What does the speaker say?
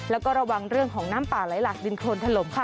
แล้วก็ระวังเรื่องของน้ำป่าไหลหลักดินโครนถล่มค่ะ